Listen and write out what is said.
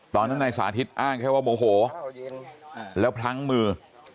ตอนนั้นนายสาธิตอ้างแค่ว่าโมโหแล้วพลั้งมือ